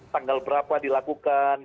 tanggal berapa dilakukan